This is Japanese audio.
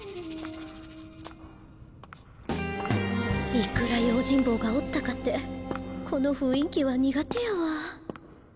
いくら用心棒がおったかてこの雰囲気は苦手やわ。